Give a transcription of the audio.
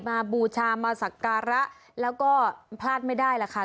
มาบูชามาศักระแล้วก็พลาดไม่ได้ละค่า